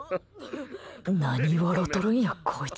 何、笑とるんや、こいつ。